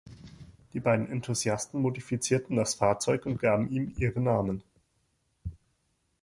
Die beiden Enthusiasten modifizierten das Fahrzeug und gaben ihm ihre Namen.